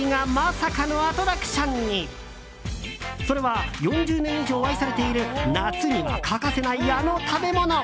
それは４０年以上愛されている夏には欠かせない、あの食べ物。